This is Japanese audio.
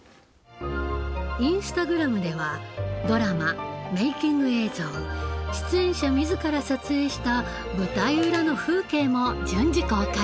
インスタグラムではドラマメイキング映像出演者自ら撮影した舞台裏の風景も順次公開。